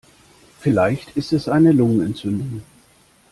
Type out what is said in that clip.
Vielleicht ist es eine Lungenentzündung.